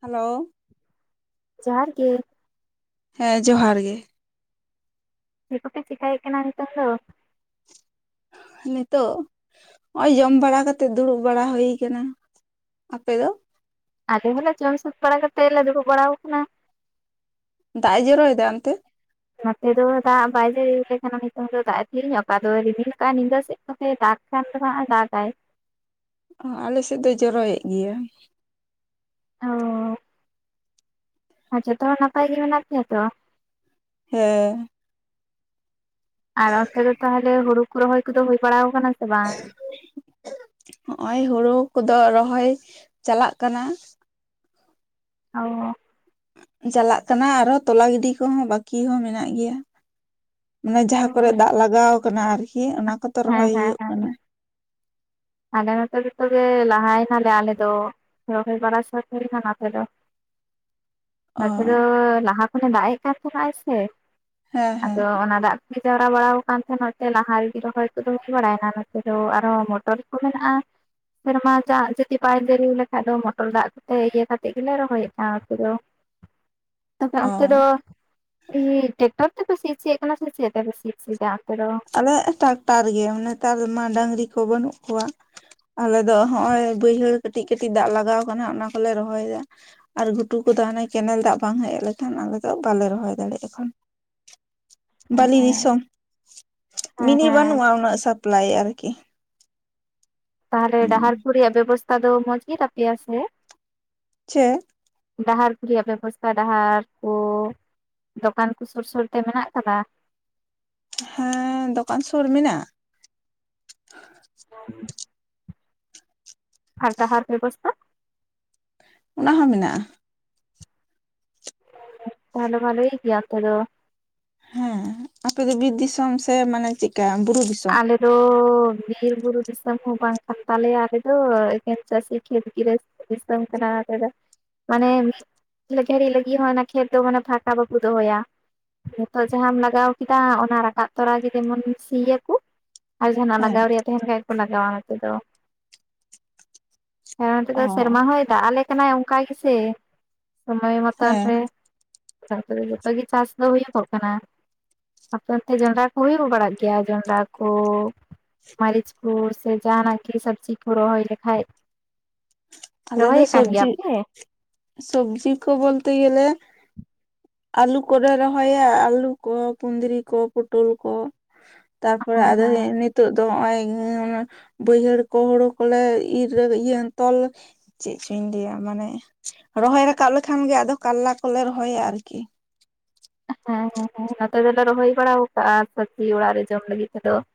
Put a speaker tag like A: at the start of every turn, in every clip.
A: Hello
B: ᱡᱚᱦᱟᱨ ᱜᱤ
A: ᱦᱮᱸ ᱡᱚᱦᱟᱨ ᱜᱮ
B: ᱪᱮᱫ ᱠᱚᱯᱮ ᱪᱮᱠᱟᱭᱮᱫ ᱠᱟᱱᱟ ᱱᱤᱛᱚᱜ ᱫᱚ?
A: ᱱᱤᱛᱳᱜ ᱱᱚᱜᱼᱚᱭ ᱡᱚᱢ ᱵᱟᱲᱟ ᱠᱟᱛᱮ ᱫᱩᱲᱩᱵ ᱵᱟᱲᱟ ᱦᱩᱭ ᱟᱠᱟᱱᱟ᱾ ᱟᱯᱮ ᱫᱚ?
B: ᱟᱞᱮ ᱦᱚᱸᱞᱮ ᱡᱚᱢ ᱥᱟᱹᱛ ᱵᱟᱲᱟ ᱠᱟᱛᱮᱫ ᱞᱮ ᱫᱩᱲᱩᱵ ᱵᱟᱲᱟ ᱣᱟᱠᱟᱱᱟ।
A: ᱫᱟᱜ ᱮ ᱡᱚᱨᱚᱭᱮ ᱫᱟ ᱚᱱᱛᱮ?
B: ᱱᱚᱛᱮ ᱫᱚ ᱫᱟᱜ ᱵᱟᱭ ᱡᱟᱹᱲᱤ ᱣᱟᱞᱮ ᱠᱟᱱᱟ ᱱᱤᱛᱚᱝ ᱫᱚ, ᱫᱟᱜ ᱮ ᱛᱷᱤᱨ ᱧᱚᱜ ᱟᱠᱟᱫ ᱫᱚ ᱨᱮᱢᱤᱞᱤ ᱠᱟᱜᱼᱟᱭ ᱧᱤᱫᱟᱹ ᱥᱮᱫ ᱠᱚ ᱛᱮ ᱫᱟᱜ ᱮᱠᱷᱟᱱ ᱫᱚ ᱦᱟᱸᱜ ᱮ ᱫᱟᱜᱟᱭ
A: ᱚ ᱟᱞᱮ ᱥᱮᱫ ᱫᱚᱭ ᱡᱚᱨᱚᱭᱮᱫ ᱜᱮᱭᱟ।
B: ᱟᱨ ᱡᱷᱚᱛᱚ ᱦᱚᱲ ᱱᱟᱯᱟᱭ ᱜᱮ ᱢᱮᱱᱟᱜ ᱯᱮᱭᱟ ᱛᱚ?
A: ᱦᱮᱸ
B: ᱟᱨ ᱚᱱᱛᱮ ᱫᱚ ᱛᱟᱦᱚᱞᱮ ᱦᱩᱲᱩ ᱠᱚ ᱨᱚᱦᱚᱭ ᱠᱚᱫᱚ ᱦᱩᱭ ᱵᱟᱲᱟ ᱣᱟᱠᱟᱱᱟ ᱥᱮ ᱵᱟᱝ?
A: ᱦᱚᱸᱜᱼᱚᱭ ᱦᱩᱲᱩ ᱠᱚᱫᱚ ᱨᱚᱦᱚᱭ ᱪᱟᱞᱟᱜ ᱠᱟᱱᱟ।
B: ᱚ
A: ᱪᱟᱞᱟᱜ ᱠᱟᱱᱟ ᱟᱨᱦᱚᱸ ᱛᱚᱞᱟ ᱜᱤᱰᱤ ᱠᱚ ᱦᱚᱸ ᱵᱟᱠᱤ ᱦᱚᱸ ᱢᱮᱱᱟᱜ ᱜᱮᱭᱟ। ᱢᱟᱱᱮ ᱡᱟᱦᱟᱸ ᱠᱚᱨᱮ ᱫᱟᱜ ᱞᱟᱜᱟᱣ ᱠᱟᱱᱟ ᱟᱨ ᱠᱤ ᱚᱱᱟ ᱠᱚᱫᱚ
B: ᱦᱮᱸ
A: ᱨᱚᱦᱚᱭ
B: ᱦᱮᱸ
A: ᱦᱩᱭᱩᱜ ᱠᱟᱱᱟ।
B: ᱦᱮᱸ ᱟᱞᱮ ᱱᱚᱛᱮ ᱡᱚᱛᱚᱜᱮ ᱞᱟᱦᱟᱭ ᱱᱟᱞᱮ ᱟᱞᱮ ᱫᱚ ᱨᱚᱦᱚᱭ ᱵᱟᱲᱟ ᱥᱟᱹᱛ ᱦᱩᱭ ᱱᱟ ᱱᱚᱛᱮ ᱫᱚ। [inaudible]
A: ᱚ
B: ᱱᱚᱛᱮ ᱫᱚ ᱞᱟᱦᱟ ᱠᱷᱚᱱᱮ ᱫᱟᱜ ᱮ ᱠᱟᱱ ᱛᱟᱦᱮᱱᱟᱭ ᱥᱮ
A: ᱦᱮᱸ ᱦᱮᱸ
B: ᱟᱫᱚ ᱚᱱᱟ ᱫᱟᱜ ᱡᱟᱣᱨᱟ ᱵᱟᱲᱟ ᱟᱠᱟᱱ ᱛᱟᱦᱮᱸᱱᱟ ᱱᱚᱛᱮ ᱞᱟᱦᱟ ᱨᱮᱜᱤ ᱨᱚᱦᱚᱭ ᱠᱚ ᱦᱩᱭ ᱵᱟᱲᱟᱭᱮᱱᱟ ᱱᱚᱛᱮ ᱫᱚ ᱟᱨᱦᱚᱸ ᱢᱚᱴᱚᱨ ᱠᱚ ᱢᱮᱱᱟᱜ-ᱟ। ᱥᱮᱨᱢᱟ ᱫᱟᱜ ᱡᱩᱫᱤ ᱵᱟᱭ ᱡᱟᱹᱲᱤ ᱣᱟᱞᱮᱠᱷᱟᱡ ᱫᱚ ᱢᱚᱴᱚᱨ ᱫᱟᱜ ᱠᱚᱛᱮ ᱤᱭᱟᱹ ᱠᱟᱛᱮᱫ ᱜᱮᱞᱮ ᱨᱚᱦᱚᱭᱮᱫ ᱠᱟᱱᱟ ᱱᱚᱛᱮ ᱫᱚ। [inaudible] ᱛᱚ ᱟᱯᱮ
A: ᱚ
B: ᱚᱱᱛᱮ ᱫᱚ ᱤᱭᱤ ᱴᱮᱠᱴᱚᱨ ᱛᱮᱯᱮ ᱥᱤ ᱦᱚᱪᱚᱭᱮᱫ ᱠᱟᱱᱟ ᱥᱮ ᱪᱮᱫ ᱛᱮᱯᱮ ᱥᱤ ᱦᱚᱪᱚᱭᱮᱫᱟ ᱚᱱᱛᱮ ᱫᱚ?
A: ᱟᱞᱮ ᱴᱟᱠᱴᱟᱨ ᱜᱮ ᱢᱟᱱ ᱱᱮᱛᱟᱨ ᱢᱟ ᱰᱟᱹᱝᱨᱤ ᱠᱚ ᱵᱟᱹᱱᱩᱜ ᱠᱚᱣᱟ। ᱟᱞᱮ ᱫᱚ ᱦᱚᱸᱜᱼᱚᱭ ᱵᱟᱹᱭᱦᱟᱹᱲ ᱠᱟᱹᱴᱤᱡ ᱠᱟᱹᱴᱤᱡ ᱫᱟᱜ ᱞᱟᱜᱟᱣ ᱟᱠᱟᱱᱟ ᱚᱱᱟ ᱠᱚᱞᱮ ᱨᱚᱦᱚᱭ ᱮᱫᱟ। ᱟᱨ ᱜᱷᱩᱴᱩ ᱠᱚᱫᱚ ᱦᱟᱱᱮ ᱠᱮᱱᱮᱞ ᱫᱟᱜ ᱵᱟᱝ ᱦᱮᱡ ᱞᱮᱠᱷᱟᱱ ᱟᱞᱮ ᱫᱚ ᱵᱟᱞᱮ ᱨᱚᱦᱚᱭ ᱫᱟᱲᱮᱜ ᱮᱠᱷᱚᱱ। ᱵᱟᱹᱞᱤ ᱫᱤᱥᱚᱢ
B: ᱦᱮᱸ
A: ᱢᱤᱱᱤ
B: ᱦᱮᱸ
A: ᱵᱟᱹᱱᱩᱜᱼᱟ ᱩᱱᱟᱹᱜ ᱥᱟᱯᱞᱟᱭ ᱟᱨᱠᱤ।
B: ᱛᱟᱦᱚᱞᱮ ᱰᱟᱦᱟᱨ ᱠᱚ ᱨᱮᱭᱟᱜ ᱵᱮᱵᱚᱥᱛᱷᱟ ᱫᱚ ᱢᱚᱸᱡᱽ ᱜᱤ ᱛᱟᱯᱮᱭᱟ ᱥᱮ?
A: ᱪᱮᱫ?
B: ᱰᱟᱦᱟᱨ ᱠᱚ ᱨᱮᱭᱟᱜ ᱵᱮᱵᱚᱥᱛᱟ ᱰᱟᱦᱟᱨ ᱠᱚ ᱫᱚᱠᱟᱱ ᱠᱩ ᱥᱩᱨ ᱥᱩᱨ ᱛᱮ ᱢᱮᱱᱟᱜ ᱟᱠᱟᱫᱟ?
A: ᱦᱮᱸ ᱫᱚᱠᱟᱱ ᱥᱩᱨ ᱢᱮᱱᱟᱜ-ᱟ।
B: [inaudible] ᱟᱨ ᱰᱟᱦᱟᱨ ᱵᱮᱵᱚᱥᱛᱟ?
A: ᱚᱱᱟ ᱦᱚᱸ ᱢᱮᱱᱟᱜᱼᱟ।
B: ᱛᱟᱦᱚᱞᱮ ᱢᱟ ᱵᱷᱟᱞᱤ ᱜᱮᱭᱟ ᱚᱱᱛᱮ ᱫᱚ।
A: ᱦᱮᱸ ᱟᱯᱮ ᱫᱚ ᱵᱤᱨ ᱫᱤᱥᱚᱢ ᱥᱮ ᱢᱟᱱᱮ ᱪᱮ ᱠᱟ ᱵᱩᱨᱩ ᱫᱤᱥᱚᱢ?
B: ᱟᱞᱮ ᱫᱚ ᱵᱤᱨ ᱵᱩᱨᱩ ᱫᱤᱥᱚᱢ ᱦᱚᱸ ᱵᱟᱝ ᱠᱟᱱ ᱛᱟᱞᱮᱭᱟ ᱟᱞᱮ ᱫᱚ ᱮᱠᱮᱱ ᱪᱟᱹᱥᱤ ᱠᱷᱮᱛ ᱜᱤᱨᱟᱹᱥ ᱫᱤᱥᱚᱢ ᱠᱟᱱᱟ ᱟᱞᱮ ᱫᱚ। ᱢᱟᱱᱮ ᱢᱤᱫ ᱜᱷᱟᱲᱤ ᱞᱟᱹᱜᱤᱫ ᱦᱚᱸ ᱚᱱᱟ ᱠᱷᱮᱛ ᱫᱚ ᱢᱟᱱᱮ ᱯᱷᱟᱸᱠᱟ ᱵᱟᱠᱚ ᱫᱚᱦᱚᱭᱟ। ᱱᱤᱛᱚᱜ ᱡᱟᱦᱟᱸᱢ ᱞᱟᱜᱟᱣ ᱠᱮᱫᱟ, ᱚᱱᱟ ᱨᱟᱠᱟᱵ ᱛᱚᱨᱟ ᱜᱮ ᱡᱮᱢᱚᱱ ᱥᱤᱭᱮᱫ ᱟᱨ ᱡᱟᱦᱟ ᱱᱟᱜ
A: ᱦᱮᱸ
B: ᱞᱟᱜᱟᱣ ᱨᱮᱭᱟᱜ ᱛᱟᱦᱮᱱ ᱠᱷᱟᱡ ᱜᱮ ᱠᱚ ᱞᱟᱜᱟᱣᱟ ᱱᱚᱛᱮ ᱫᱚ। ᱦᱮᱸ ᱱᱚᱛᱮ
A: ᱚ
B: ᱫᱚ ᱥᱮᱨᱢᱟ ᱦᱚᱭ ᱫᱟᱜ ᱟᱞᱮ ᱠᱟᱱᱟᱭ ᱚᱱᱠᱟ ᱜᱮᱥᱮ, ᱥᱚᱢᱚᱭ ᱢᱚᱛᱚᱱ
A: ᱦᱮᱸ
B: ᱨᱮ। ᱛᱟᱨᱯᱚᱨᱮ ᱡᱚᱛᱚ ᱜᱮ ᱪᱟᱥ ᱫᱚ ᱦᱩᱭᱩᱜᱚᱜ ᱠᱟᱱᱟ। ᱟᱯᱮ ᱚᱱᱛᱮ ᱡᱚᱸᱰᱨᱟ ᱠᱚ ᱦᱩᱭ ᱵᱟᱲᱟᱜ ᱜᱮᱭᱟ ᱡᱚᱱᱰᱨᱟ ᱠᱚᱼᱼ ᱢᱟᱹᱨᱤᱪ ᱠᱚ ᱥᱮ ᱡᱟᱦᱟᱸ ᱱᱟᱜ ᱠᱤ ᱥᱚᱵᱽᱡᱤ ᱠᱚ ᱨᱚᱦᱚᱭ ᱞᱮᱠᱷᱷᱟᱡᱼᱼ
A: ᱟᱞᱮ ᱫᱚ
B: ᱨᱚᱦᱚᱭᱮᱫ ᱠᱟᱱ ᱜᱮᱭᱟ
A: ᱥᱚᱵᱽᱡᱤ
B: ᱯᱮ?
A: ᱥᱚᱵᱽᱡᱤ ᱠᱚ ᱵᱚᱞᱛᱮ ᱜᱮᱞᱮᱼᱼ ᱟᱹᱞᱩ ᱠᱚᱞᱮ ᱨᱚᱦᱚᱭᱟ, ᱟᱹᱞᱩ ᱠᱚ, ᱠᱩᱸᱫᱽᱨᱤ ᱠᱚ, ᱯᱚᱴᱚᱞ ᱠᱚᱼᱼ ᱛᱟᱨᱯᱚᱨ
B: ᱦᱮᱸ
A: ᱟᱫᱚ
B: ᱦᱮᱸ
A: ᱱᱤᱛᱼᱼ ᱱᱤᱛᱚᱜ ᱫᱚ ᱱᱚᱜᱼᱚᱭ ᱵᱟᱹᱭᱦᱟᱹᱲ ᱠᱚ ᱦᱩᱲᱩ ᱠᱚᱞᱮ ᱤᱨ ᱨᱮ ᱤᱭᱟᱹ ᱛᱚᱞᱼᱼ ᱪᱮᱫ ᱪᱚᱧ ᱞᱟᱹᱭᱟ ᱢᱟᱱᱮ, ᱨᱚᱦᱚᱭ ᱨᱟᱠᱟᱵ ᱞᱮᱠᱷᱟᱱ ᱜᱮ ᱟᱫᱚ ᱠᱟᱟᱨᱞᱟ ᱠᱚᱞᱮ ᱨᱚᱦᱚᱭᱟ ᱟᱨᱠᱤ ᱾
B: ᱦᱮᱸ ᱦᱮᱸ ᱦᱮᱸ ᱱᱚᱛᱮ ᱫᱚᱞᱮ ᱨᱚᱦᱚᱭ ᱵᱟᱲᱟ ᱠᱟᱜᱼᱟ ᱥᱚᱵᱽᱡᱤ ᱚᱲᱟᱜ ᱨᱮ ᱡᱚᱢ ᱞᱟᱹᱜᱤᱫ ᱛᱮᱫᱚ ᱾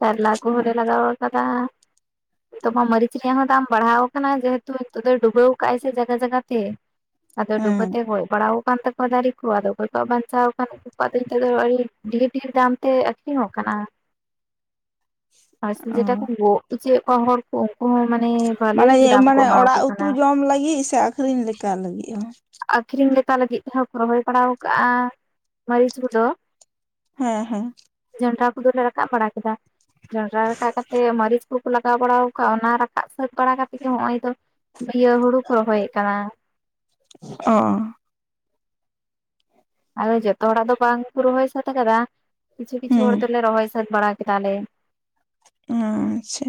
B: ᱠᱟᱨᱞᱟ ᱜᱩ ᱦᱚᱞᱮ ᱞᱟᱜᱟᱣ ᱠᱟᱫᱟ ᱾ ᱱᱤᱛᱚᱜ ᱢᱟ ᱢᱟᱹᱨᱤᱪ ᱨᱮᱭᱟᱜ ᱦᱚᱸ ᱫᱟᱢ ᱵᱟᱲᱦᱟᱣ ᱟᱠᱟᱱᱟ ᱡᱮᱦᱮᱛᱩ ᱱᱤᱛᱚᱜ ᱰᱩᱵᱟᱹᱣ ᱠᱟᱜᱼᱟ ᱥᱮ ᱡᱟᱜᱜᱟ ᱡᱟᱭᱜᱟ ᱛᱮ ᱾ ᱟᱫᱚ
A: ᱦᱮᱸ
B: ᱰᱩᱵᱟᱹᱛᱮ ᱜᱚᱡ ᱵᱟᱲᱟᱣ ᱟᱠᱟᱱ ᱛᱟᱠᱚᱣᱟ ᱠᱚ ᱫᱟᱨᱨ ᱠᱚ ᱟᱫᱚᱼᱼ ᱠᱷ ᱠᱚᱣᱟᱜ ᱵᱟᱧᱪᱟᱣ ᱠᱷᱟᱱ ᱩᱱᱟᱹᱜ ᱫᱚ ᱱᱤᱛᱚᱜ ᱫᱚ ᱟᱹᱰᱤ ᱰᱷᱮᱨ ᱰᱷᱮᱨ ᱫᱟᱢ ᱛᱮ ᱟᱹᱠᱷᱨᱤᱧᱚᱜ ᱠᱟᱱᱟ ᱾ ᱟᱨ
A: ᱚ
B: ᱡᱮᱴᱟ ᱠᱚ ᱜᱚᱜ ᱦᱚᱪᱚᱭᱮᱫ ᱠᱚᱣᱟ ᱦᱚᱲ ᱠᱚ ᱩᱱᱠᱩ ᱦᱚᱸ ᱢᱟᱱᱮᱼᱼ
A: ᱢᱟᱱᱮ, ᱢᱟᱱᱮ ᱚᱲᱟᱜ ᱩᱛᱩ ᱡᱚᱢ ᱞᱟᱹᱜᱤᱫ ᱥᱮ ᱟᱠᱷᱨᱤᱧ ᱞᱮᱠᱟ ᱞᱟᱹᱜᱤᱫ ᱦᱚᱸ ᱾
B: ᱟᱠᱷᱨᱤᱧ ᱞᱮᱠᱟ ᱞᱟᱹᱜᱤᱫ ᱛᱮᱦᱚᱸ ᱠᱚ ᱨᱚᱦᱚᱭ ᱵᱟᱲᱟ ᱟᱠᱟᱜᱼᱟ ᱢᱟᱹᱨᱤᱪ ᱠᱚᱫᱚ ᱾
A: ᱦᱮᱸ ᱦᱮᱸ ᱾
B: ᱡᱚᱱᱰᱨᱟ ᱠᱚᱫᱚᱞᱮ ᱨᱟᱠᱟᱵ ᱵᱟᱲᱟ ᱠᱮᱫᱟ ᱡᱚᱱᱰᱨᱟ ᱨᱟᱠᱟᱵ ᱠᱟᱛᱮ ᱢᱟᱹᱨᱤᱪ ᱠᱚᱼᱼ ᱞᱟᱜᱟᱣ ᱵᱟᱲᱟ ᱜᱮ ᱟᱫᱷᱟ ᱟᱠᱟᱫ ᱨᱟᱠᱟᱵ ᱥᱟᱹᱛ ᱵᱟᱲᱟ ᱠᱟᱛᱮᱫ ᱜᱮ ᱱᱚᱜᱼᱚᱭ ᱫᱚ ᱤᱭᱟᱹ ᱦᱩᱲᱩ ᱠᱚ ᱨᱚᱦᱚᱭᱮᱫ ᱠᱟᱱᱟ ᱾
A: ᱚᱸ
B: ᱟᱫᱚ ᱡᱚᱛᱚ ᱦᱚᱲᱟᱜ ᱫᱚ ᱵᱟᱝ ᱠᱚ ᱨᱚᱦᱚᱭ ᱥᱟᱹᱛ ᱟᱠᱟᱫᱟ ᱠᱤᱪᱷᱩ ᱠᱤᱪᱷᱩ
A: ᱦᱩᱸ
B: ᱦᱚᱲ ᱫᱚᱞᱮ ᱨᱚᱦᱚᱭ ᱥᱟᱹᱛ ᱵᱟᱲᱟ ᱠᱮᱫᱟᱞᱮ ᱾
A: ᱟᱪᱪᱷᱟ ᱾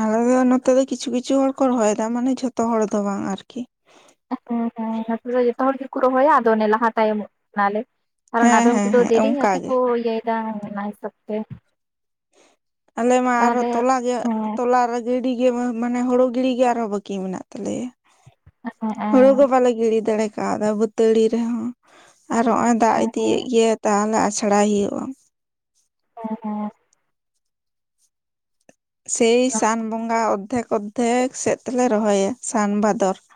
A: ᱟᱞᱮ ᱱᱚᱛᱮ ᱫᱚ ᱠᱤᱪᱷᱩ ᱠᱤᱪᱷᱩ ᱦᱚᱲ ᱠᱚ ᱨᱚᱦᱚᱭᱮᱫᱟ ᱢᱟᱱᱮ ᱡᱷᱚᱛᱚ ᱦᱚᱲ ᱫᱚ ᱵᱟᱝ ᱟᱨᱠᱤ ᱾
B: ᱦᱮᱸ ᱦᱮᱸ ᱟᱯᱮ ᱫᱚ ᱡᱚᱛᱚ ᱦᱚᱲ ᱜᱮᱠᱚ ᱨᱚᱦᱚᱭᱟ ᱟᱫᱚ ᱚᱱᱮ ᱞᱟᱦᱟ ᱛᱟᱭᱚᱢᱚᱜ ᱠᱟᱱᱟ ᱞᱮ ᱾ ᱟᱨ ᱚᱱᱟ
A: ᱦᱮᱸ
B: ᱫᱚ
A: ᱦᱮᱸ
B: ᱩᱱᱠᱩᱫᱚ
A: ᱦᱮᱸ
B: ᱫᱮᱨᱤ ᱧᱚᱜ
A: ᱚᱱᱠᱟ
B: ᱛᱮᱠᱚ
A: ᱜᱮ
B: ᱤᱭᱟᱹᱭᱮᱫᱟ ᱚᱱᱟ ᱦᱤᱥᱟᱹᱵᱽ ᱛᱮ ᱾
A: ᱟᱞᱮ ᱢᱟ ᱟᱨᱚ ᱛᱚᱞᱟ ᱜᱮ
B: ᱦᱮᱸ
A: ᱛᱚᱞᱟ ᱨᱮᱼᱼ ᱜᱟᱺᱰᱤ ᱜᱮ ᱢᱟᱱᱮ ᱦᱩᱲᱩ ᱜᱤᱰᱤᱜᱮ ᱟᱨᱦᱚᱸ ᱵᱟᱹᱠᱤ ᱢᱮᱱᱟᱜ ᱛᱟᱞᱮᱭᱟ ᱾
B: ᱦᱮᱸ
A: ᱦᱩᱲᱩ ᱠᱚ ᱵᱟᱞᱮ ᱜᱤᱰᱤ ᱫᱟᱲᱮ ᱠᱟᱣᱫᱟ ᱵᱷᱟᱹᱛᱟᱹᱲᱤ ᱨᱮᱦᱚᱸ ᱾ ᱟᱨ ᱦᱚᱜᱼᱚᱭ ᱫᱟᱜ ᱤᱫᱤᱭᱮᱫ ᱜᱮ ᱛᱟᱦᱞᱮ ᱟᱪᱷᱟᱲᱟ ᱦᱩᱭᱩᱜᱼᱟ ᱾
B: ᱚ [unintelligible]
A: ᱥᱮᱭ ᱥᱟᱱ ᱵᱚᱸᱜᱟ ᱚᱨᱫᱷᱮᱠ ᱚᱨᱫᱷᱮᱠ ᱥᱮᱫ ᱛᱮᱞᱮ ᱨᱚᱦᱚᱭᱟ ᱥᱟᱱ ᱵᱷᱟᱫᱚᱨ ᱾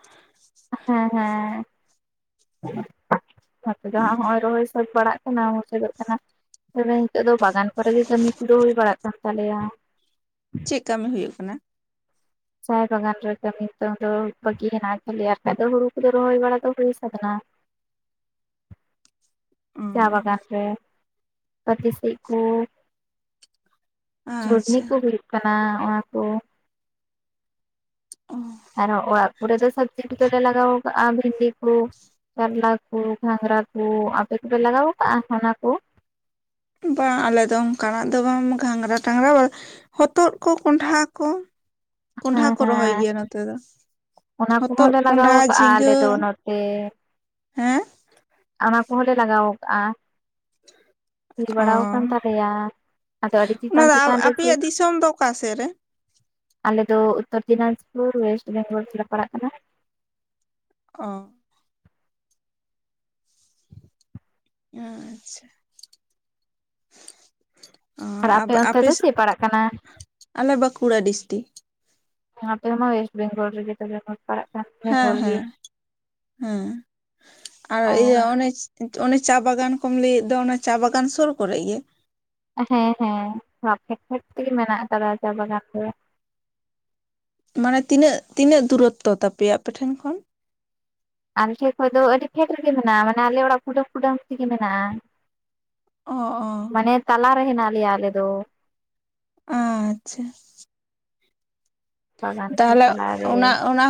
B: ᱦᱮᱸ ᱦᱮᱸ ᱡᱟᱦᱟᱸ ᱱᱚᱜᱼᱚᱭ ᱨᱚᱦᱚᱭ ᱥᱟᱹᱛ ᱵᱟᱲᱟᱜᱼᱼ ᱚᱱᱟ ᱢᱩᱪᱟᱹᱫᱚᱜ ᱠᱟᱱᱟ ᱛᱮᱵᱮ ᱱᱤᱛᱚᱜ ᱫᱚ ᱵᱟᱜᱟᱱ ᱠᱚᱨᱮ ᱜᱮ ᱠᱟᱹᱢᱤ ᱠᱚᱫᱚ ᱦᱩᱭ ᱵᱟᱲᱟᱜ ᱠᱟᱱ ᱛᱟᱞᱮᱭᱟ ᱾
A: ᱪᱮᱫ ᱠᱟᱹᱢᱤ ᱦᱩᱭᱩᱜ ᱠᱟᱱᱟ?
B: ᱪᱟᱭ ᱵᱟᱜᱟᱱ ᱨᱮ ᱠᱟᱹᱢᱤ ᱱᱤᱛᱚᱝ ᱫᱚ ᱵᱷᱟᱹᱜᱤ ᱦᱮᱱᱟᱜ ᱠᱷᱟᱞᱤ ᱟᱨ ᱵᱟᱠᱷᱟᱡ ᱫᱚ ᱦᱩᱲᱩ ᱠᱚᱫᱚ ᱨᱚᱦᱚᱭ ᱵᱟᱲᱟ ᱫᱚ ᱦᱩᱭ ᱥᱟᱹᱛ ᱮᱱᱟ ᱾ ᱪᱟ ᱵᱟᱜᱟᱱ ᱨᱮ ᱠᱟᱴᱤ ᱥᱤᱫ ᱠᱚᱼᱼ ᱪᱷᱚᱰᱱᱤ
A: ᱟᱪᱪᱷᱟ
B: ᱠᱚ ᱦᱩᱭᱩᱜ ᱠᱟᱱᱟ ᱚᱱᱟ ᱠᱚᱼᱼ
A: ᱚᱸ
B: ᱟᱨᱚ ᱚᱲᱟᱜ ᱠᱚᱨᱮ ᱫᱚ ᱥᱚᱵᱽᱡᱤ ᱠᱚᱫᱚᱞᱮ ᱞᱟᱜᱟᱣ ᱠᱟᱜᱼᱟ ᱵᱷᱤᱱᱰᱤ ᱠᱚᱼᱼ ᱠᱟᱨᱞᱟ ᱠᱚ, ᱜᱷᱟᱜᱽᱨᱟ ᱠᱚ, ᱟᱯᱮ ᱠᱚ ᱯᱮ ᱞᱟᱜᱟᱣ ᱠᱟᱜᱼᱟ ᱚᱱᱟ ᱠᱩ?
A: ᱵᱟᱝ ᱟᱞᱮ ᱫᱚ ᱚᱱᱠᱟᱱᱟᱜ ᱫᱚ ᱵᱟᱝ ᱜᱷᱟᱸᱝᱽᱨᱟᱴᱟᱝᱽᱨᱟ ᱵᱟ ᱦᱚᱛᱚᱫ ᱠᱚ ᱠᱚᱸᱰᱦᱷᱟᱟ ᱠᱚ ᱠᱚᱸᱰᱷᱟ
B: ᱦᱮᱸ
A: ᱠᱚ ᱨᱚᱦᱚᱭ
B: ᱦᱮᱸ
A: ᱜᱮᱭᱟ ᱱᱚᱛᱮ ᱫᱚ
B: ᱚᱱᱟ
A: ᱾
B: ᱠᱚᱦᱚᱸ
A: ᱦᱚᱛᱚᱫ
B: ᱞᱮ
A: ᱠᱚᱸᱰᱷᱟ
B: ᱞᱟᱜᱟᱣ ᱠᱟᱜᱼᱟ
A: ᱡᱷᱤᱸᱜᱟᱹ
B: ᱟᱞᱮ ᱫᱚ ᱱᱚᱛᱮ
A: ᱾
B: ᱚᱱᱟ ᱠᱚᱦᱚᱸᱞ ᱞᱮ ᱞᱟᱜᱟᱣ ᱠᱟᱜᱼᱟ ᱦᱩᱭᱤᱨ
A: ᱚ
B: ᱵᱟᱲᱟ ᱟᱠᱟᱱ ᱛᱟᱞᱮᱭᱟ ᱾ ᱟᱫᱚ ᱟᱹᱰᱤ
A: ᱚᱱᱟ
B: ᱪᱮᱛᱟᱱ
A: ᱫᱚ
B: ᱪᱮᱛᱟᱱ ᱨᱮ ᱥᱮ,
A: ᱟᱯᱮᱭᱟᱜ ᱫᱤᱥᱚᱢ ᱫᱚ ᱚᱠᱟ ᱥᱮᱫ ᱨᱮ
B: ᱟᱞᱮᱫ ᱫᱚ ᱩᱛᱛᱚᱨ ᱫᱤᱱᱟᱡᱯᱩᱨ ᱚᱭᱮᱥᱴ ᱵᱮᱝᱜᱚᱞ ᱛᱮᱞᱮ ᱯᱟᱲᱟᱜ ᱠᱟᱱᱟ ᱾
A: ᱚ, ᱟᱪᱪᱷᱟ, ᱚ
B: ᱟᱨ ᱟᱯᱮ ᱚᱱᱛᱮ ᱫᱚ ᱪᱮᱫ ᱯᱟᱲᱟᱜ ᱠᱟᱱᱟ?
A: ᱟᱞᱮ ᱵᱟᱸᱠᱩᱲᱟ ᱰᱤᱥᱴᱤᱠ
B: ᱟᱮ ᱢᱟ ᱵᱮᱮᱥᱴ ᱵᱮᱜᱚᱞ ᱨᱮ ᱜ ᱱᱚᱠᱟᱨ, [inaudible]
A: ᱦᱮᱸ ᱦᱮᱸ ᱦᱮᱸ ᱟᱨ
B: ᱚ
A: ᱤᱭᱟᱹ ᱚᱱᱮ, ᱚᱱᱮ ᱪᱟ ᱵᱟᱜᱟᱱ ᱠᱚᱢ ᱞᱟᱹᱭᱮᱫ ᱫᱚ ᱚᱱᱟ ᱪᱟ ᱵᱟᱜᱟᱱ ᱥᱚᱨ ᱠᱚᱨᱮ ᱜᱮ?
B: ᱦᱮᱸ ᱦᱮᱸ ᱠᱷᱮᱛ ᱠᱷᱮᱛ ᱛᱮᱜᱮ ᱢᱮᱱᱟᱜ ᱟᱠᱟᱫᱟ ᱪᱟ ᱵᱟᱜᱟᱱ ᱫᱚ ᱾
A: ᱢᱟᱱᱮ ᱛᱤᱱᱟᱹᱜ ᱛᱤᱱᱟᱹᱜ ᱫᱩᱨᱚᱛᱛᱚ ᱛᱟᱯᱮᱭᱟ ᱟᱯᱮ ᱴᱷᱮᱱ ᱠᱷᱚᱱ?
B: ᱟᱞᱮ ᱴᱷᱮᱱ ᱠᱷᱚᱡ ᱫᱚ ᱟᱹᱰᱤ ᱯᱷᱮᱰ ᱨᱮᱜᱮ ᱢᱮᱱᱟᱜᱼᱟ ᱢᱟᱱᱮ ᱟᱞᱮ ᱚᱲᱟᱜ ᱠᱩᱸᱰᱟᱹᱢ ᱠᱩᱸᱰᱟᱹᱢ ᱛᱮᱜᱮ ᱢᱮᱱᱟᱜᱼᱟ᱾
A: ᱚᱻ
B: ᱢᱟᱱᱮ ᱛᱟᱞᱟᱮ ᱦᱮᱸᱱᱟᱜ ᱞᱮᱭᱟ ᱟᱞᱮ ᱫᱚ ᱾
A: ᱟᱸᱪᱪᱷᱟ,
B: ᱵᱟᱜᱟᱱ ᱠᱚ
A: ᱛᱟᱦᱚᱞᱮ
B: ᱛᱟᱞᱟᱨᱮ
A: ᱚᱱᱟ ᱚᱱᱟ,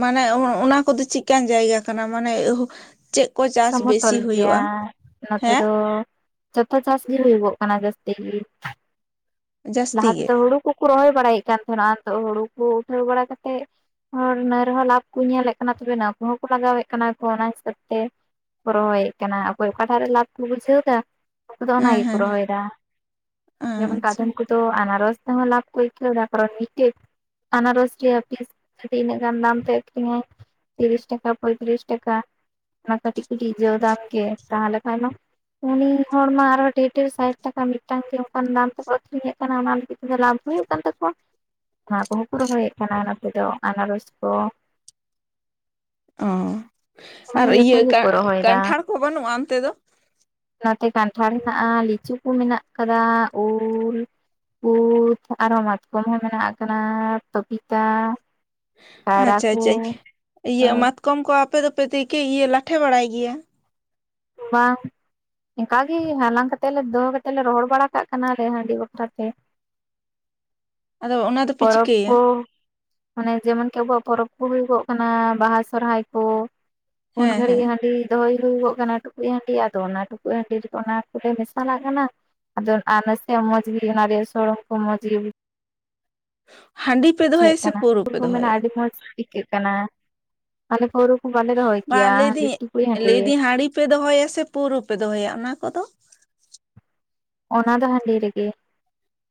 A: ᱢᱟᱱᱮ ᱚᱱᱟ ᱠᱚᱫᱚ ᱪᱤᱫᱠᱟᱱ ᱡᱟᱭᱜᱟ ᱠᱟᱱᱟ ᱢᱟᱱᱮ ᱪᱮᱫ? ᱠᱚ ᱪᱟᱥ
B: ᱥᱚᱸᱢᱚᱛᱚᱞ
A: ᱵᱮᱥᱤ
B: ᱜᱮᱭᱟ
A: ᱦᱩᱭᱩᱜᱼᱟ
B: ᱱᱚᱛᱮ
A: ᱦᱮᱸ
B: ᱫᱚ ᱾ ᱡᱚᱛᱚ ᱪᱟᱥ ᱜᱤ ᱦᱩᱭᱩᱜᱚᱜ ᱠᱟᱱᱟ ᱡᱟᱹᱥᱛᱤ ᱜᱤ
A: ᱡᱟᱹᱥᱛᱤ
B: ᱞᱟᱦᱟ
A: ᱜᱮ
B: ᱛᱮᱫᱚ ᱦᱩᱲᱩ ᱾ ᱩᱱᱠᱩᱸ ᱨᱚᱦᱚᱭ ᱵᱟᱲᱟᱭᱮᱫ ᱠᱟᱱ ᱛᱟᱦᱮᱱᱟ ᱱᱤᱛᱚ ᱦᱳᱲᱩ ᱠᱩ ᱩᱴᱷᱟᱹᱣ ᱵᱟᱲᱟ ᱠᱟᱛᱮᱜ, ᱦᱚᱲ ᱱᱟᱹᱭ ᱨᱮᱦᱚᱸ ᱞᱟᱵᱷ ᱠᱚ ᱧᱮᱞᱮᱫ ᱠᱟᱱᱟ ᱛᱚᱵᱮ ᱱᱟᱹ ᱠᱚᱦᱚᱸ ᱠᱚ ᱞᱟᱜᱟᱣᱮᱫ ᱠᱟᱱᱟ ᱠᱚ ᱚᱱᱟ ᱦᱤᱥᱟᱹᱵ ᱛᱮ, ᱠᱚ ᱨᱚᱦᱚᱭᱮᱫ ᱠᱟᱱᱟ ᱚᱠᱚᱭ ᱚᱠᱟᱴᱟᱜ ᱨᱮ ᱞᱟᱵᱷ ᱠᱚ ᱵᱩᱡᱷᱟᱹᱣ ᱫᱟ ᱩᱱᱠᱩᱫᱚ
A: ᱦᱮᱸ
B: ᱚᱱᱟ ᱜᱮᱠᱚ
A: ᱦᱮᱸ
B: ᱚᱦᱚᱭᱮᱫᱟ, ᱡᱮᱢᱚᱱ
A: ᱟᱪᱪᱷᱟ
B: ᱠᱟᱫᱚᱢ ᱠᱚᱫᱚ ᱟᱱᱟᱨᱚᱥ ᱛᱮᱦᱚᱸ ᱞᱟᱵᱷ ᱠᱚ ᱤᱠᱟᱹᱣᱫᱟ ᱠᱟᱨᱚᱱ ᱢᱤᱫᱴᱮᱡ, ᱟᱱᱟᱨᱚᱥ ᱜᱮ ᱟᱨ ᱛᱤᱥ ᱴᱤᱱᱟᱹᱜ ᱜᱟᱱ ᱫᱟᱢ ᱛᱮ ᱟᱹᱠᱷᱨᱤᱧᱼᱟ᱾ ᱛᱤᱨᱤᱥ ᱴᱟᱠᱟ ᱯᱚᱭᱛᱨᱤᱥ ᱴᱟᱠᱟ ᱚᱱᱟ ᱠᱟᱹᱴᱤᱡ ᱠᱟᱹᱴᱤᱡ ᱡᱚ ᱫᱟᱢ ᱜᱮ ᱛᱟᱦᱮ ᱞᱮᱠᱷᱟᱱ ᱦᱚᱸ, ᱩᱱᱤ ᱦᱚᱲᱢᱟ ᱟᱨᱦᱚᱸ ᱰᱮᱲ ᱰᱮᱲ ᱥᱟᱹᱭᱴ ᱴᱟᱠᱟ ᱢᱤᱫᱴᱟᱝ ᱛᱮ ᱚᱱᱠᱟᱱ ᱫᱟᱢ ᱛᱮᱠᱚ ᱟᱹᱷᱨᱤᱧᱮᱫ ᱠᱟᱱᱟ ᱚᱱᱟ ᱞᱟᱹᱜᱤᱫ ᱞᱟᱵᱷ ᱦᱩᱭᱩᱜ ᱠᱟᱱ ᱛᱟᱠᱚᱣᱟ ᱚᱱᱟ ᱠᱚᱦᱚᱸ ᱠᱚ ᱨᱚᱦᱚᱭᱮᱫ ᱠᱟᱱᱟ ᱱᱚᱛᱮ ᱫᱚ ᱟᱱᱟᱨᱚᱥ ᱠᱚ ᱾
A: ᱚ ᱟᱨ
B: ᱢᱟᱱᱮ ᱡᱚᱛᱚ
A: ᱤᱭᱟᱹ
B: ᱜᱮᱠᱚ
A: ᱠᱟᱸ
B: ᱨᱚᱦᱚᱭᱮᱫᱟ
A: ᱠᱟᱱᱴᱷᱟᱲ ᱠᱚ ᱵᱟᱹᱱᱩᱜᱼᱟ ᱚᱱᱛᱮ ᱫᱚ?
B: ᱱᱚᱛᱮ ᱠᱟᱱᱴᱷᱟᱲ ᱦᱮᱱᱟᱜᱼᱟ ᱞᱤᱪᱩ ᱠᱚ ᱢᱮᱱᱟᱜ ᱟᱠᱟᱫᱟ ᱩᱞ, ᱩᱞ ᱟᱨᱚᱸ ᱢᱟᱛᱠᱚᱢ ᱦᱚᱸ ᱢᱮᱱᱟᱜ ᱟᱠᱟᱫᱟ ᱯᱟᱯᱤᱛᱟ, ᱠᱟᱭᱨᱟ
A: ᱟᱪᱪᱷᱟ
B: ᱠᱚ
A: ᱟᱪᱪᱷᱟ ᱤᱭᱟᱹ ᱢᱟᱛᱠᱚᱢ ᱠᱚ ᱟᱯᱮ ᱫᱚᱯᱮ ᱛᱮᱠᱮ ᱤᱭᱟᱹ ᱞᱟᱴᱷᱮ ᱵᱟᱲᱟᱭ ᱜᱮᱭᱟ?
B: ᱵᱟᱝ ᱾ ᱮᱱᱠᱟᱹᱜ ᱜᱮ ᱦᱟᱞᱟᱝ ᱠᱟᱛᱮ ᱞᱮ ᱫᱚᱦᱚ ᱠᱟᱛᱮ ᱞᱮ ᱨᱚᱦᱚᱲ ᱵᱟᱲᱟ ᱠᱟᱜ ᱠᱟᱱᱟᱞ ᱦᱟᱺᱰᱤ ᱵᱟᱠᱷᱨᱟ ᱛᱮ ᱾
A: ᱟᱫᱚ ᱚᱱᱟ ᱫᱚᱯᱮ
B: ᱯᱚᱨᱚᱵᱽ
A: ᱪᱤᱠᱟᱹᱭᱟ
B: ᱠᱚ ᱢᱟᱱᱮ ᱡᱮᱢᱚᱱ ᱠᱤ ᱟᱵᱚᱣᱟᱜ ᱯᱚᱨᱚᱵᱽ ᱠᱚ ᱦᱩᱭᱩᱜᱚᱸᱜ ᱠᱟᱱᱟ ᱵᱟᱦᱟ ᱥᱚᱦᱚᱨᱟᱭ ᱠᱚ ᱾ ᱩᱱ
A: ᱦᱮᱸ
B: ᱜᱷᱟᱹᱲᱤᱡ
A: ᱦᱮᱸ
B: ᱦᱟᱺᱰᱤ ᱫᱚᱦᱚᱭ ᱦᱩᱭᱩᱜᱚᱸᱜ ᱠᱟᱱᱟ ᱾ ᱴᱩᱸᱠᱩᱡ ᱦᱟᱺᱰᱤ ᱟᱫᱚ ᱚᱱᱟ ᱴᱩᱸᱠᱩᱡ ᱦᱟᱺᱰᱤ ᱨᱮᱫᱚ ᱚᱱᱟ ᱠᱚᱞᱮ ᱢᱮᱥᱟᱞᱟᱜ ᱠᱟᱱᱟ ᱾ ᱟᱫᱚ ᱟ ᱱᱟᱥᱮᱭᱟᱜ ᱢᱚᱸᱡᱽ ᱜᱮ ᱚᱱᱟ ᱨᱮᱱᱟᱜ ᱥᱚᱸᱲᱚᱢ ᱠᱚ ᱢᱚᱸᱡᱽ ᱜᱤ ᱵᱩᱡᱟᱹᱜᱼᱟ ᱾
A: ᱦᱟᱺᱰᱤ, ᱯᱮ
B: ᱵᱩᱡᱷᱟᱹᱜ
A: ᱫᱚᱦᱚᱭᱟ ᱥᱮ
B: ᱠᱟᱱᱟ
A: ᱯᱟᱹᱣᱨᱟᱹ
B: ᱩᱱᱠᱩ
A: ᱯᱮ
B: ᱠᱚ ᱢᱮᱱᱟ
A: ᱫᱚᱦᱚᱭᱟ
B: ᱟᱹᱰᱤ ᱢᱚᱸᱡᱽ ᱟᱹᱠᱟᱹᱜ ᱠᱟᱱᱟ ᱾ ᱟᱞᱮ ᱯᱟᱹᱣᱨᱟ ᱠᱚ ᱵᱟᱞᱮ ᱫᱚᱦᱚᱭ ᱜᱮᱭᱟ
A: ᱵᱟᱝ
B: ᱦᱟᱺᱰᱤ
A: ᱞᱟᱹᱭᱫᱟᱹᱧ
B: ᱴᱩᱠᱩᱡ ᱦᱟᱺᱰᱤ ᱾
A: ᱞᱟᱹᱭᱫᱟᱹᱧ ᱦᱟᱺᱰᱤ ᱯᱮ ᱫᱚᱦᱚᱭᱟ ᱥᱮ ᱯᱩᱹᱣᱟᱨᱳ ᱯᱮ ᱫᱚᱦᱚᱭᱟ ᱚᱱᱟ ᱠᱚ ᱫᱚ?
B: ᱚᱱᱟ ᱫᱚ ᱦᱟᱺᱰᱤ ᱨᱤᱜᱤ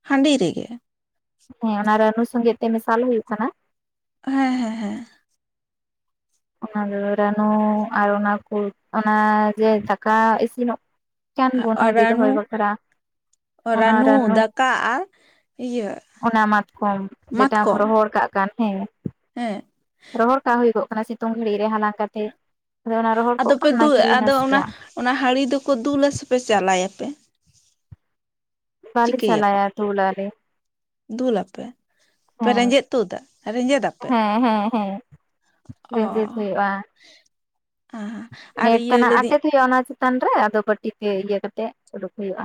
A: ᱦᱟᱺᱰᱤ ᱨᱮᱜᱮ
B: ᱦᱮᱸ ᱚᱱᱟ ᱨᱟᱹᱱᱩ ᱥᱚᱝᱜᱮ ᱛᱮ ᱢᱮᱥᱟᱞ ᱦᱩᱭᱩᱜ ᱠᱟᱱᱟ
A: ᱦᱮᱸ ᱦᱮᱸ ᱦᱮᱸ
B: ᱚᱱᱟᱫᱚ ᱨᱟᱹᱱᱩ ᱟᱨ ᱚᱱᱟ ᱠᱚ ᱚᱱᱟ ᱡᱮ ᱫᱟᱠᱟ ᱤᱥᱤᱱᱚᱜ ᱠᱮᱱ ᱵᱳᱱ ᱦᱟᱺᱰᱤ ᱫᱚᱦᱚᱭ ᱵᱟᱠᱷᱨᱟ
A: ᱨᱟᱹᱱᱩ ᱫᱟᱠᱟ ᱟᱨ ᱤᱭᱟᱹ
B: ᱚᱱᱟ ᱢᱟᱛᱠᱚᱢ ᱡᱮᱴᱟᱢ
A: ᱢᱟᱛᱠᱚᱢ
B: ᱨᱚᱦᱚᱲ ᱠᱟᱜ ᱠᱟᱱ ᱦᱮᱸ
A: ᱦᱮᱸ
B: ᱨᱚᱦᱚᱲ ᱠᱟᱜ ᱦᱩᱭᱩᱜᱚᱜ ᱠᱟᱱᱟ ᱥᱤᱛᱩᱝ ᱜᱷᱟᱹᱲᱤᱡ ᱨᱮ ᱦᱟᱸᱞᱟᱝ ᱠᱟᱛᱮᱫ ᱟᱫᱚ ᱚᱱᱟ ᱨᱚᱦᱚᱲ ᱠᱚ
A: ᱟᱫᱚ ᱯᱮ
B: ᱠᱟᱱ
A: ᱫᱩ
B: ᱱᱟᱠᱤ
A: ᱟᱫᱚ ᱚᱱᱟ
B: ᱱᱟᱥᱮᱭᱟᱜ
A: ᱚᱱᱟ ᱦᱟᱹᱲᱤ ᱫᱚᱠᱚ ᱫᱩᱞᱟ ᱟᱥᱮ ᱯᱮ ᱪᱟᱞᱟᱭᱟ ᱯᱮ
B: ᱵᱟᱞᱤ
A: ᱪᱤᱠᱟᱹᱭᱟᱠᱚ
B: ᱪᱟᱞᱟᱭᱟ ᱫᱩᱞ ᱟᱞᱮ
A: ᱫᱩᱞᱟᱯᱮ ᱨᱮᱸᱡᱮᱫ ᱛᱩᱫᱟᱹ ᱮᱸᱡᱮᱫ ᱟᱯᱮ
B: ᱦᱮᱸ ᱦᱮᱸ ᱦᱮᱸ ᱨᱮᱸᱡᱮᱫᱽ ᱦᱩᱭᱩᱜ-ᱟ
A: ᱚ ᱟᱨ ᱤᱭᱟᱹ
B: ᱛᱮᱱᱟᱜ
A: ᱞᱟ. ᱭᱫᱤ
B: ᱟᱴᱮᱫ ᱦᱩᱭᱩᱜᱼᱟ ᱚᱱᱟ ᱪᱮᱛᱟᱱ ᱨᱮ ᱟᱫᱚ ᱵᱟᱴᱤ ᱛᱮ ᱤᱭᱟᱹ ᱠᱟᱛᱮᱫ ᱩᱰᱩᱠ ᱦᱩᱭᱩᱜ-ᱟ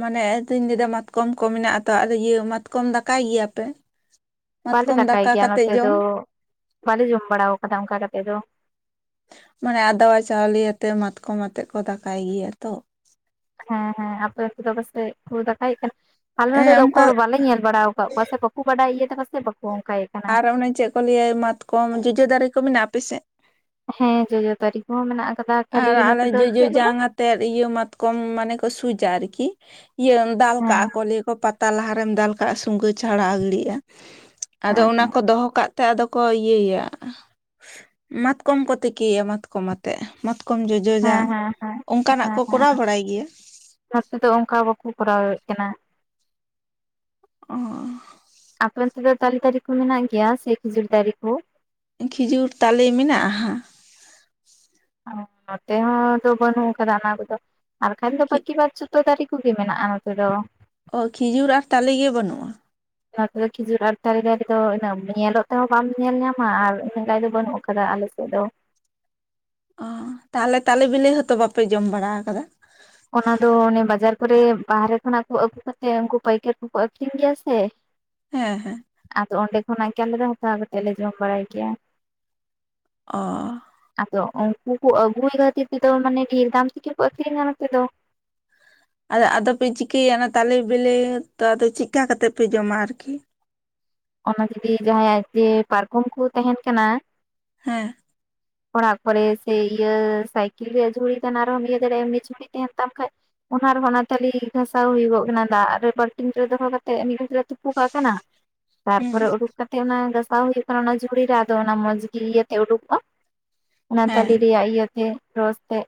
A: ᱢᱟᱱᱮ ᱟᱫᱚᱧ ᱞᱟᱹᱭᱫᱟ ᱢᱟᱛᱠᱚᱢ ᱠᱚ ᱢᱮᱱᱟᱜ ᱟᱛᱚ ᱤᱭᱟᱹ ᱢᱟᱛᱠᱚᱢ ᱫᱟᱠᱟᱭ ᱜᱮᱭᱟ ᱯᱮ
B: ᱵᱟᱞᱮ ᱫᱟᱠᱟᱭ ᱜᱮᱭᱟ ᱱᱚᱛᱮ ᱫᱚ ᱵᱟᱞᱮ ᱡᱚᱢ ᱵᱟᱲᱟ ᱟᱠᱟᱫᱟ ᱚᱱᱠᱟ ᱠᱟᱛᱮᱫ ᱫᱚ
A: ᱢᱟᱱᱮ ᱟᱫᱣᱟ ᱪᱟᱣᱞᱮ ᱟᱛᱮ ᱢᱟᱛᱠᱚᱢ ᱟᱛᱮᱜ ᱠᱚ ᱫᱟᱠᱟᱭ ᱜᱮᱭᱟ ᱛᱚ
B: ᱦᱮᱸ ᱦᱮᱸ ᱟᱯᱚᱨᱮ ᱫᱚ ᱯᱟᱥᱮᱡ ᱠᱚ ᱫᱟᱠᱟᱭᱮᱫ ᱠᱟᱱᱟ ᱟᱞᱮ ᱱᱚᱰᱮ
A: ᱦᱮᱸ
B: ᱫᱚ
A: ᱚᱱᱠᱟ
B: ᱚᱠᱚᱭ ᱵᱟᱞᱮ ᱧᱮᱞ ᱵᱟᱲᱟ ᱟᱠᱟᱫ ᱠᱚᱣᱟ ᱥᱮ ᱵᱟᱠᱚ ᱵᱟᱰᱟᱭ ᱤᱭᱟᱹ ᱥᱮᱫᱟ ᱠᱚ ᱥᱮ ᱵᱟᱠᱚ ᱚᱱᱠᱟᱭ ᱠᱟᱱᱟ
A: ᱟᱨ ᱚᱱᱮ ᱪᱮᱫ ᱠᱚ ᱞᱟᱹᱭᱟ ᱢᱟᱛᱠᱚᱢ ᱡᱚᱡᱚ ᱫᱟᱨᱮ ᱠᱚ ᱢᱮᱱᱟᱜ-ᱟ ᱟᱯᱮ ᱥᱮᱫ
B: ᱦᱮᱸ ᱡᱚᱡᱚ ᱫᱟᱨᱮ ᱠᱚᱦᱚᱸ ᱢᱮᱱᱟᱜ ᱟᱠᱟᱫᱟ ᱠᱷᱟᱹᱞᱤ
A: ᱟᱨ ᱟᱞᱮ
B: ᱱᱚᱛᱮ ᱫᱚ
A: ᱡᱚᱡᱚ
B: ᱪᱮᱫ ᱵᱚᱞᱮ
A: ᱡᱟᱝ ᱟᱛᱮ ᱤᱭᱟᱹ ᱢᱟᱛᱠᱚᱢ ᱢᱟᱱᱮ ᱠᱚ ᱥᱩᱡᱟ ᱟᱨᱠᱤ ᱤᱭᱟᱹ ᱫᱟᱞ ᱠᱟᱜ-ᱟ
B: ᱦᱮᱸ
A: ᱠᱚ ᱞᱟᱹᱭ ᱠᱚ ᱯᱟᱛ ᱛᱟ ᱞᱟᱦᱟᱨᱮᱢ ᱫᱟᱞ ᱠᱟᱜ-ᱟ ᱥᱩᱜᱟᱹ ᱪᱷᱟᱲᱟ ᱜᱤᱲᱤᱜ-ᱟ ᱟᱫᱚ
B: ᱦᱮᱸ
A: ᱚᱱᱟ ᱠᱚ ᱫᱚᱦᱚ ᱠᱟᱜ ᱛᱮ ᱟᱫᱚ ᱠᱚ ᱤᱭᱟᱹᱭᱟ ᱢᱟᱛᱠᱚᱢ ᱠᱚ ᱛᱤᱠᱤᱭᱟ ᱢᱟᱛᱠᱚᱢ ᱟᱛᱮᱜ ᱠᱚᱢ ᱡᱚᱡᱚ
B: ᱦᱮᱸ
A: ᱡᱟᱝ
B: ᱦᱮᱸ ᱦᱮᱸ ᱦᱮᱸ
A: ᱚᱱᱠᱟᱱᱟᱜ ᱠᱚ
B: ᱦᱮᱸ
A: ᱠᱚᱨᱟᱣ
B: ᱦᱮᱸ
A: ᱵᱟᱲᱟᱭ ᱜᱮᱭᱟ
B: ᱱᱚᱛᱮ ᱛᱚ ᱚᱱᱠᱟ ᱵᱟᱠᱚ ᱠᱚᱨᱟᱣᱮᱫ ᱠᱟᱱᱟ
A: ᱚ
B: ᱟᱯᱮ ᱚᱱᱛᱮ ᱫᱚ ᱛᱟᱞᱮ ᱫᱟᱨᱮ ᱠᱚ ᱢᱮᱱᱟᱜ ᱜᱮᱭᱟ ᱥᱮ ᱠᱷᱤᱡᱩᱨ ᱫᱟᱨᱮ ᱠᱚ
A: ᱠᱷᱤᱡᱩᱨ ᱛᱟᱞᱮ ᱢᱮᱱᱟᱜ-ᱟ ᱦᱟᱸᱜ
B: ᱱᱚᱛᱮ ᱦᱚᱸ ᱫᱚ ᱵᱟᱹᱱᱩᱜ ᱟᱠᱟᱫᱟ ᱚᱱᱟ ᱠᱚᱫᱚ ᱟᱨᱠᱷᱟᱱ ᱫᱚ ᱵᱟᱠᱤ ᱵᱟᱫᱽ ᱡᱚᱛᱚ ᱫᱟᱨᱮ ᱠᱚᱜᱮ ᱢᱮᱱᱟᱜ-ᱟ ᱱᱚᱛᱮ ᱫᱚ
A: ᱚ ᱠᱷᱤᱡᱩᱨ ᱟᱨ ᱛᱟᱞᱮ ᱜᱮ ᱵᱟᱹᱱᱩᱜ-ᱟ
B: ᱚᱱᱟ ᱠᱚ ᱫᱚ ᱠᱷᱤᱡᱩᱨ ᱟᱨ ᱛᱟᱞᱮ ᱫᱟᱨᱮ ᱩᱱᱟᱹᱜ ᱧᱮᱞᱚᱜ ᱛᱮᱦᱚᱸ ᱵᱟᱢ ᱧᱮᱞ ᱧᱟᱢᱟ ᱟᱨ ᱮ ᱞᱟᱱ ᱫᱚ ᱵᱟᱹᱱᱩᱜ ᱟᱠᱟᱫᱟ ᱚᱱᱟ ᱟᱞᱮᱥᱮᱫ ᱫᱚ
A: ᱚ ᱛᱟᱦᱚᱞᱮ ᱛᱟᱞᱮ ᱵᱤᱞᱤ ᱦᱚᱸᱛᱚ ᱵᱟᱯᱮ ᱡᱚᱢ ᱵᱟᱲᱟ ᱟᱠᱟᱫᱟ
B: ᱚᱱᱟ ᱫᱚ ᱚᱱᱮ ᱵᱟᱡᱟᱨ ᱠᱚᱨᱮ ᱵᱟᱦᱨᱮ ᱠᱷᱚᱱᱟᱜ ᱠᱚ ᱟᱹᱜᱩ ᱠᱟᱛᱮᱜ ᱩᱱᱠᱩ ᱯᱟᱹᱭᱠᱟᱹᱨ ᱠᱚᱠᱚ ᱟᱹᱠᱷᱨᱤᱧ ᱜᱮᱭᱟ ᱥᱮ [inaudible]
A: ᱦᱮᱸ ᱦᱮᱸ
B: ᱟᱫᱚ ᱚᱸᱰᱮ ᱠᱷᱚᱱᱟᱜ ᱜᱮ ᱟᱞᱮ ᱫᱚ ᱦᱟᱛᱟᱣ ᱠᱟᱛᱮᱫ ᱞᱮ ᱡᱚᱢ ᱵᱟᱲᱟᱭ ᱠᱮᱭᱟ
A: ᱚ
B: ᱟᱫᱚ ᱩᱱᱠᱩ ᱠᱚ ᱟᱹᱜᱩᱭ ᱠᱷᱟᱹᱛᱤᱨ ᱛᱮᱫᱚ, ᱢᱟᱱᱮ ᱰᱷᱮᱨ ᱫᱟᱢ ᱛᱮᱜᱮ ᱠᱚ ᱟᱹᱠᱷᱨᱤᱧᱟ ᱱᱚᱛᱮ ᱫᱚ ᱾
A: ᱟᱫᱚ ᱟᱫᱚᱯᱮ ᱪᱤᱠᱟᱹᱭᱟ ᱚᱱᱟ ᱛᱟᱞᱮ ᱵᱮᱞᱮ, ᱛᱚ ᱟᱫᱚ ᱪᱮᱫᱠᱟ ᱠᱟᱛᱮᱫ ᱯᱮ ᱡᱚᱢᱟ ᱟᱨᱠᱤ?
B: ᱚᱱᱟ ᱡᱩᱫᱤ ᱡᱟᱦᱟᱸᱭᱟᱜ ᱡᱮ ᱯᱟᱨᱠᱚᱢ ᱠᱚ ᱛᱟᱦᱮᱱ ᱠᱟᱱᱟ ᱾
A: ᱦᱮᱸ᱾
B: [inaudible] ᱚᱲᱟᱜ ᱠᱚᱨᱮ ᱥᱮ ᱤᱭᱟᱹ, ᱥᱟᱭᱠᱮᱞ ᱨᱮᱭᱟᱜ ᱡᱷᱩᱲᱤ ᱛᱟᱦᱮᱱᱟ ᱟᱨᱦᱚᱸ ᱤᱭᱟᱹ ᱫᱟᱲᱮᱼᱟ ᱮᱢ ᱢᱤᱫ ᱡᱷᱩᱲᱤ ᱛᱟᱦᱮᱱ ᱛᱟᱢ ᱠᱷᱟᱡ ᱚᱱᱟ ᱨᱮᱦᱚᱸ ᱚᱱᱟ ᱛᱟᱞᱤ ᱜᱷᱟᱥᱟᱣ ᱦᱩᱭᱩᱜᱚᱜ ᱠᱟᱱᱟ᱾ ᱫᱟᱜ ᱨᱮ ᱵᱟᱞᱴᱤᱱ ᱨᱮ ᱫᱚᱦᱚ ᱠᱟᱛᱮᱜ ᱢᱤᱫ ᱜᱷᱟᱨᱮ ᱛᱩᱯᱩ ᱠᱟᱜ ᱠᱟᱱᱟ᱾
A: ᱦᱩᱸ
B: ᱛᱟᱨᱯᱚᱨᱮ ᱩᱰᱩᱠ ᱠᱟᱛᱮ, ᱚᱱᱟ ᱜᱟᱥᱟᱣ ᱦᱩᱭᱩᱜ ᱠᱟᱱᱟ ᱚᱱᱟ ᱡᱷᱩᱲᱤ ᱨᱮ ᱟᱫᱚ ᱚᱱᱟ ᱢᱚᱸᱡᱽ ᱜᱮ ᱤᱭᱟᱹᱛᱮ ᱩᱰᱩᱠᱚᱜ-ᱟ᱾ ᱚᱱᱟ
A: ᱦᱮᱸ
B: ᱛᱟᱞᱮ ᱨᱮᱭᱟᱜ ᱤᱭᱟᱹᱛᱮ ᱨᱚᱥ ᱛᱮ,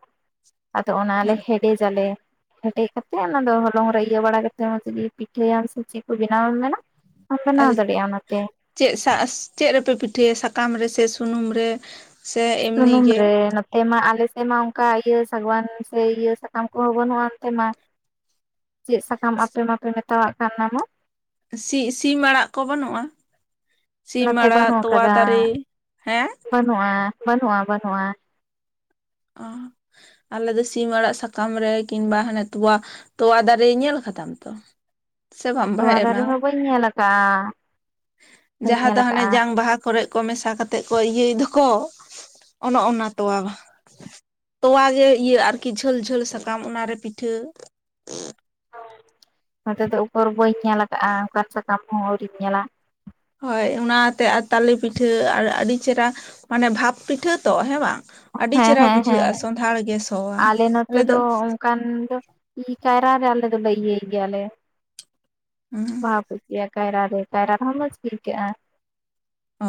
B: ᱟᱫᱚ ᱚᱱᱟᱞᱮ
A: ᱦᱮᱸ
B: ᱦᱮᱰᱮᱡᱟᱞᱮ ᱾ ᱦᱮᱰᱮᱡ ᱠᱟᱛᱮᱫ ᱚᱱᱟ ᱫᱚ ᱦᱚᱞᱚᱝ ᱨᱮ ᱤᱭᱟᱹ ᱵᱟᱲᱟ ᱠᱟᱛᱮᱫ, ᱢᱚᱪᱜᱮ ᱯᱤᱴᱷᱟᱹᱭᱟᱢ ᱥᱮ ᱪᱮᱫ ᱠᱚ ᱵᱮᱱᱟᱣ ᱟᱢ ᱢᱮᱱᱟ ᱾
A: ᱟᱨ ᱪᱮᱫ ᱪᱮᱫ ᱨᱮᱯᱮ ᱯᱤᱴᱷᱟᱹᱭᱟ, ᱥᱟᱠᱟᱢ ᱨᱮᱥᱮ ᱥᱩᱱᱩᱢ ᱨᱮ? ᱥᱮ ᱮᱢᱱᱤ
B: ᱥᱩᱱᱩᱢ
A: ᱜᱮ
B: ᱨᱮ ᱾ ᱚᱱᱛᱮ ᱢᱟ ᱟᱞᱮᱥᱮᱫ ᱢᱟ ᱚᱱᱠᱟ, ᱤᱭᱟᱹ ᱥᱟᱜᱣᱟᱱ ᱥᱮ ᱤᱭᱟᱹ ᱥᱟᱠᱟᱢ ᱠᱚᱦᱚᱸ ᱵᱟᱹᱱᱩᱜ-ᱟ ᱱᱚᱛᱮ ᱢᱟ ᱾ ᱪᱮᱫ ᱥᱟᱠᱟᱢ ᱟᱯᱮ ᱢᱟᱯᱮ ᱢᱮᱛᱟᱣᱟᱜ ᱠᱟᱱ ᱚᱱᱟ ᱢᱟ?
A: ᱥᱤ ᱥᱤᱢ ᱟᱲᱟᱜ ᱠᱚ ᱵᱟᱹᱱᱩᱜ-ᱟ, ᱥᱤᱢ
B: ᱱᱚᱛᱮ
A: ᱟᱲᱟᱜ
B: ᱵᱟᱹᱱᱩᱜ
A: ᱛᱚᱣᱟ
B: ᱟᱠᱟᱫᱟ
A: ᱫᱟᱨᱮ ᱦᱮᱸ᱾
B: ᱵᱟᱹᱱᱩᱜᱼᱟ, ᱵᱟᱹᱱᱩᱜ-ᱟ, ᱵᱟᱹᱱᱩᱜ-ᱟ᱾
A: ᱚ᱾ ᱟᱞᱮ ᱫᱚ ᱥᱤᱢ ᱟᱲᱟᱜ ᱥᱟᱠᱟᱢ ᱨᱮ, ᱠᱤᱢᱵᱟ ᱦᱟᱱᱮ ᱛᱚᱣᱟ ᱛᱚᱣᱟ ᱫᱟᱨᱮ ᱧᱮᱞ ᱠᱟᱫᱟᱢ ᱛᱚ᱾
B: [inaudible]
A: ᱥᱮ ᱵᱟᱢ
B: ᱛᱚᱣᱟ
A: ᱵᱟᱲᱟᱭᱟ ᱚᱱᱟ
B: ᱫᱟᱨᱮ ᱦᱚᱸ ᱵᱟᱹᱧ ᱧᱮᱞ ᱟᱠᱟᱫ-ᱟ? ᱵᱟᱹᱧ
A: ᱡᱟᱦᱟᱸ
B: ᱧᱮᱞ
A: ᱫᱚ ᱦᱟᱱᱮ
B: ᱟᱠᱟᱫ-ᱟ?
A: ᱡᱟᱝ ᱵᱟᱦᱟ ᱠᱚᱨᱮᱜ ᱠᱚ ᱢᱮᱥᱟ ᱠᱟᱛᱮᱫ ᱠᱚ ᱤᱭᱟᱹᱭ ᱫᱚᱠᱚ, ᱚᱱᱚ ᱚᱱᱟ ᱛᱚᱣᱟ ᱛᱚᱣᱟ ᱜᱮ ᱤᱭᱟᱹ ᱟᱨᱠᱤ ᱡᱷᱟᱹᱞ ᱡᱷᱟᱹᱞ ᱥᱟᱠᱟᱢ ᱚᱱᱟᱨᱮ ᱯᱤᱴᱷᱟᱹ ᱾
B: ᱱᱚᱛᱮ ᱫᱚ ᱩᱠᱚᱨ ᱵᱟᱹᱧ ᱧᱮᱞ ᱟᱠᱟᱜᱼᱟ, ᱚᱠᱟᱱ ᱥᱟᱠᱟᱢ ᱦᱚᱸ ᱟᱹᱣᱨᱤᱧ ᱧᱮᱞᱟ᱾
A: ᱦᱳᱭ ᱚᱱᱟᱛᱮ ᱟᱨ ᱛᱟᱞᱮ ᱯᱤᱴᱷᱟᱹ ᱟᱨ ᱟᱹᱰᱤ ᱪᱮᱦᱨᱟ, ᱢᱟᱱᱮ ᱵᱷᱟᱵᱽ ᱯᱤᱴᱷᱟᱹ ᱛᱚ ᱦᱮᱸ ᱵᱟᱝ? ᱟᱹᱰᱤ
B: ᱦᱮᱸ
A: ᱪᱮᱦᱨᱟ
B: ᱦᱮᱸ ᱦᱮᱸ
A: ᱵᱩᱡᱷᱟᱹᱜᱼᱟ, ᱥᱚᱸᱫᱷᱟᱲ ᱜᱮ ᱥᱚᱣᱟ ᱾ ᱟᱞᱮ ᱫᱚ
B: ᱠᱟᱱ ᱫᱚ ᱤ ᱠᱟᱭᱨᱟ ᱨᱮ ᱟᱞᱮ ᱫᱚᱞᱮ ᱤᱭᱟᱹᱭ ᱜᱮᱭᱟᱞᱮ, ᱵᱷᱟᱵᱽ ᱤᱭᱟᱹ ᱠᱟᱭᱨᱟ ᱨᱮ, ᱠᱟᱭᱨᱟ ᱨᱮᱦᱚᱸ ᱢᱚᱡᱽ ᱜᱮ ᱤᱭᱠᱮᱜᱼᱟ᱾
A: ᱚ ᱾